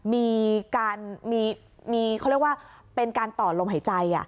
มีการเรียกว่าเป็นการต่อลมหายใจ